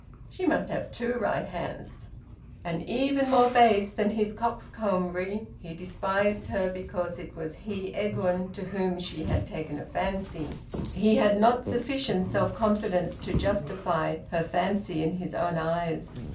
She must have two right hands! And, even more base than his coxcombry, he despised her because it was he, Edwin, to whom she had taken a fancy. He had not sufficient self confidence to justify her fancy in his own eyes.